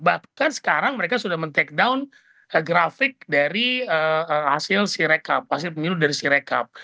bahkan sekarang mereka sudah men take down grafik dari hasil sirekap hasil pemilu dari sirekap